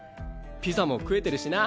ピザも食えてるしな。